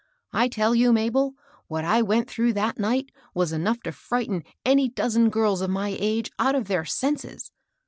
I tell you, Mabel, what I went through that night was enough to frighten any dozen girls of my age out of their senses.